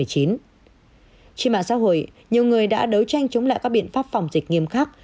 trên mạng xã hội nhiều người đã đấu tranh chống lại các biện pháp phòng dịch nghiêm khắc